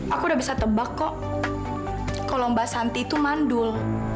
aku udah bisa tebak kok kalau mbak santi itu mandul